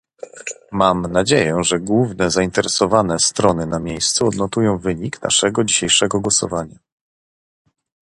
Mam nadzieję, że główne zainteresowane strony na miejscu odnotują wynik naszego dzisiejszego głosowania